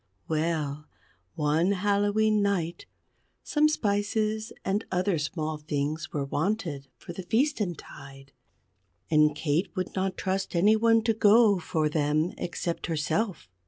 Well, one Hallowe'en Night, some spices and other small things were wanted for the feasten tide, and Kate would not trust any one to go for them except herself.